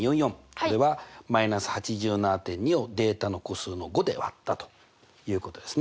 これは−８７．２をデータの個数の５で割ったということですね。